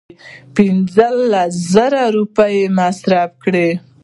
پنځه لس زره روپۍ یې مصرف کړې.